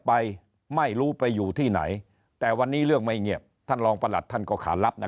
ไปไม่รู้ไปอยู่ที่ไหนแต่วันนี้เรื่องไม่เงียบท่านรองประหลัดท่านก็ขารับนะ